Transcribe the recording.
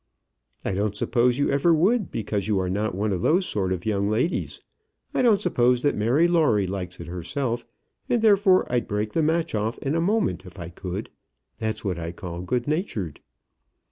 "I don't suppose you ever would, because you are not one of those sort of young ladies. I don't suppose that Mary Lawrie likes it herself; and therefore I'd break the match off in a moment if I could. That's what I call good natured."